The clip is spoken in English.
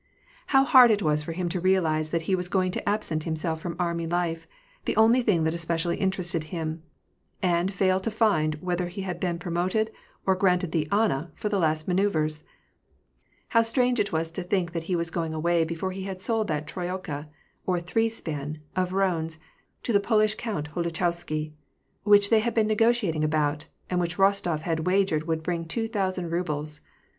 How hard it was for him to realize that he was going to absent himself from army life — the only thing that especially interested him — and fail to find whether he had been pro moted, or granted the <^ Anna," for the last manoeuyres ! How strange it was to think that he was going away before he had sold that trojka, or three span, of roans to the Polish Count Holuchowsky, which they had been negotiating about, and which Rostof had wagered would bring two thousand rubles